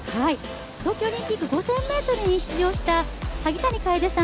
東京オリンピック５０００ｍに出場した萩谷楓さん